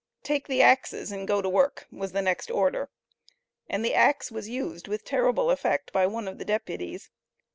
"Take the axes and go to work," was the next order; and the axe was used with terrible effect by one of the deputies.